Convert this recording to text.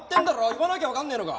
言わなきゃわかんねえのか？